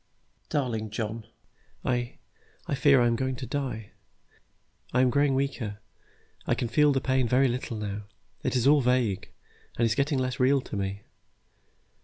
"Darling John, I I fear I am really going to die. I am growing weaker. I can feel the pain very little now. It is all vague, and is getting less real to me.